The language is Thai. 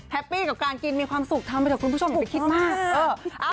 แฮปปี้กับการกินมีความสุขทำให้แต่คุณผู้ชมคิดมาก